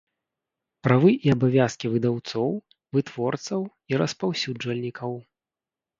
Правы i абавязкi выдаўцоў, вытворцаў i распаўсюджвальнiкаў